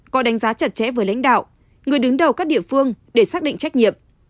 có đánh giá chặt chẽ với lãnh đạo người đứng đầu các địa phương để xác định trách nhiệm